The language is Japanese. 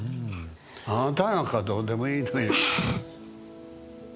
あなたなんかどうでもいいのよ。